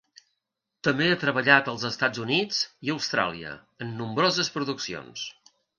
També ha treballat als Estats Units i Austràlia, en nombroses produccions.